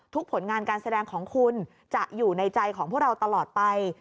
ผลงานการแสดงของคุณจะอยู่ในใจของพวกเราตลอดไป